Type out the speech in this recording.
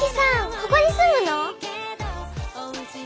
ここに住むの？